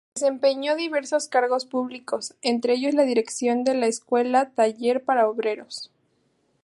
Desempeñó diversos cargos públicos, entre ellos la dirección de la Escuela Taller para Obreros.